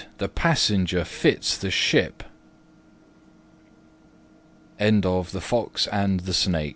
the passenger fits the ship!" THE LION, THE FOX, AND THE STAG